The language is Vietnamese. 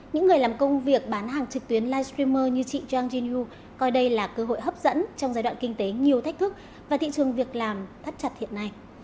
những người làm công việc bán hàng trực tuyến livestreamer như chị jean jin yu coi đây là cơ hội hấp dẫn trong giai đoạn kinh tế nhiều thách thức và thị trường việc làm thắt chặt hiện nay